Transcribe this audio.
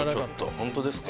本当ですか。